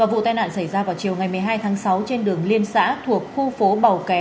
vụ tai nạn xảy ra vào chiều ngày một mươi hai tháng sáu trên đường liên xã thuộc khu phố bảo ké